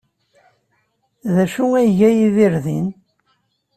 D acu ay iga Yidir din?